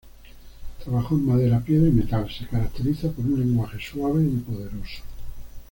Trabajo en madera, piedra y metal; se caracteriza por un lenguaje suave y poderoso.